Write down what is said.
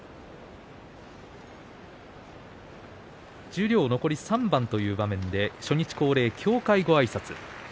十両残り３番という場面で初日恒例、協会ごあいさつ。